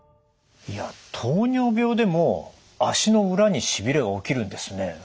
糖尿病でも足の裏にしびれが起きるんですね。